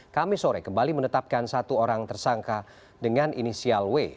kami sore kembali menetapkan satu orang tersangka dengan inisial w